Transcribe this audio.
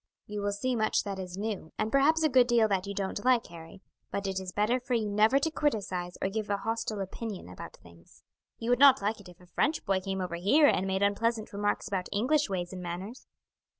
"You will see much that is new, and perhaps a good deal that you don't like, Harry, but it is better for you never to criticize or give a hostile opinion about things; you would not like it if a French boy came over here and made unpleasant remarks about English ways and manners.